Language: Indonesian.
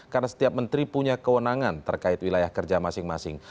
karena setiap menteri punya kewenangan terkait wilayah kerja masing masing